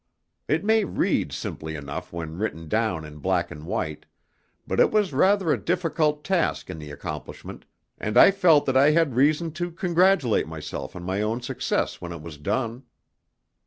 It may read simply enough when written down in black and white, but it was rather a difficult task in the accomplishment, and I felt that I had reason to congratulate myself on my own success when it was done.